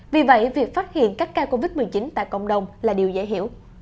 vì vậy việc phát hiện các ca covid một mươi chín tại cộng đồng là điều dễ hiểu